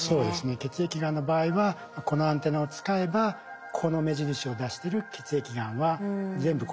血液がんの場合はこのアンテナを使えばこの目印を出してる血液がんは全部殺せますよ。